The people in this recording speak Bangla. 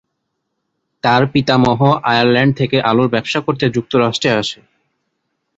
তার পিতামহ আয়ারল্যান্ড থেকে আলুর ব্যবসা করতে যুক্তরাষ্ট্রে আসে।